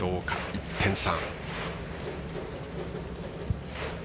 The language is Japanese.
１点差。